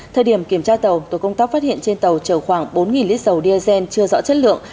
thời điểm kiểm tra tàu tổ công tác phát hiện trên tàu chở khoảng bốn lít dầu diazen chưa rõ chất lượng